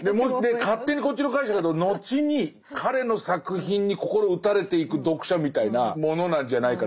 勝手にこっちの解釈だと後に彼の作品に心打たれていく読者みたいなものなんじゃないかな。